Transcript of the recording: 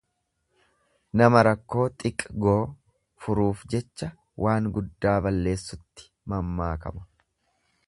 Nama rakkoo xiqgoo furuuf jecha waan guddaa balleessutti mammaakama.